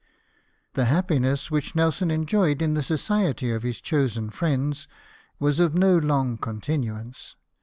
The happiness which Nelson enjoyed in the society of his chosen friends was of no long continuance.